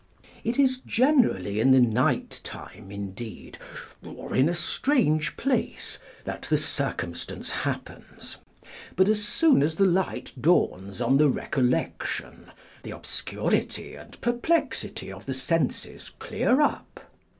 It is generally in the night time, indeed, or in a strange place, that the circumstance happens ; but as soon as the light dawns on the recollection, the obscurity and perplexity of the senses clear up.